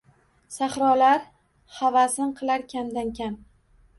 Sahrolar havasin qilar kamdan-kam.